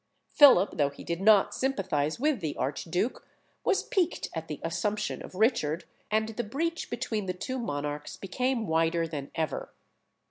Philip, though he did not sympathise with the archduke, was piqued at the assumption of Richard, and the breach between the two monarchs became wider than ever.